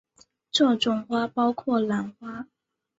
这种花包括兰花。